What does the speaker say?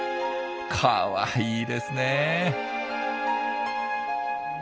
かわいいですね！